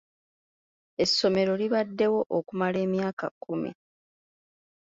Essomero libaddewo okumala emyaka kkumi.